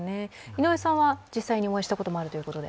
井上さんは実際にお会いしたこともあるということで？